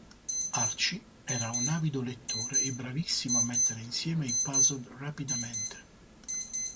Archie era un avido lettore e bravissimo a mettere insieme i puzzle rapidamente.